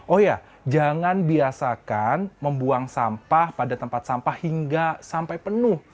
oh ya jangan biasakan membuang sampah pada tempat sampah hingga sampai penuh